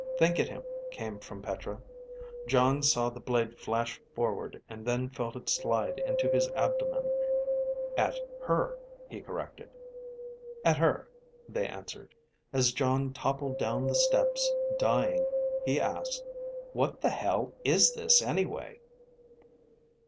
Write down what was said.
Think at him, came from Petra. Jon saw the blade flash forward and then felt it slide into his abdomen. At her, he corrected. At her, they answered. As Jon toppled down the steps, dying, he asked, _What the hell is this anyway?